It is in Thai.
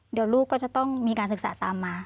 เดี๋ยวลูกก็จะต้องมีการศึกษาตามมา